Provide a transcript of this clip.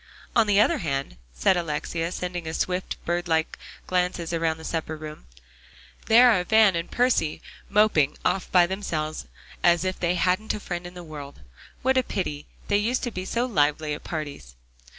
"On the other hand," said Alexia, sending swift, bird like glances around the supper room, "there are Van and Percy moping off by themselves as if they hadn't a friend in the world. What a pity; they used to be so lively at parties."